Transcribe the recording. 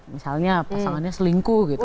misalnya pasangannya selingkuh gitu